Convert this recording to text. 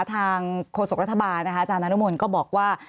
โฆษกรัฐบาลนะคะอาจารย์นานุมลก็บอกว่า